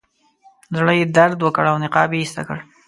زړه یې درد وکړ او نقاب یې ایسته کړ.